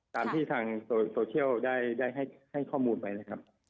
ตามที่ทางโซเชียลได้ให้ข้อมูลไปนะครับ